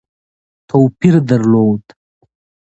توپیر درلود.